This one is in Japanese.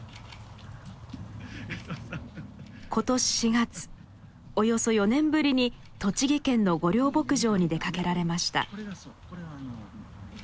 今年４月およそ４年ぶりに栃木県の御料牧場に出かけられました。